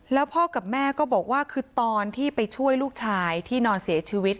แล้วพ่อกับแม่ก็บอกว่าคือตอนที่ไปช่วยลูกชายที่นอนเสียชีวิต